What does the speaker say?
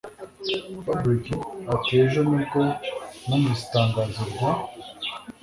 Fabric atiejo nibwo numvise itangazo rya